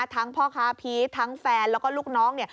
พ่อค้าพีชทั้งแฟนแล้วก็ลูกน้อง